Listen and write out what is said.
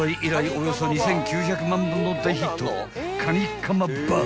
およそ２，９００万本の大ヒットカニカマバー］